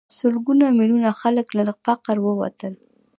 سلګونه میلیونه خلک له فقر ووتل.